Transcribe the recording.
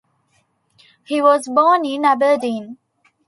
He was born in Aberdeen.